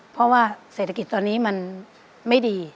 เพราะว่าเศรษฐกิจตอนนี้มันไม่ดี